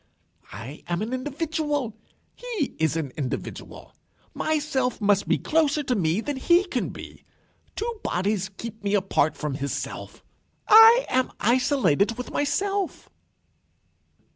I am an individual; he is an individual. My self must be closer to me than he can be. Two bodies keep me apart from his self. I am isolated with myself."